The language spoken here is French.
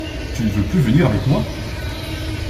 Tu ne veux plus venir avec moi?